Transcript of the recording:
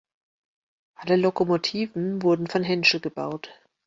Alle Lokomotiven wurden von Henschel gebaut.